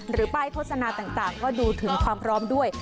ป้ายโฆษณาต่างก็ดูถึงความพร้อมด้วย